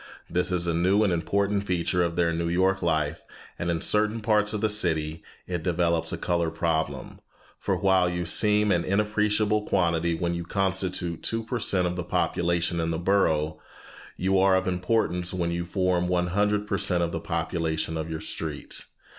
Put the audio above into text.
This is a new and important feature of their New York life, and in certain parts of the city it develops a color problem, for while you seem an inappreciable quantity when you constitute two per cent of the population in the borough, you are of importance when you form one hundred per cent of the population of your street.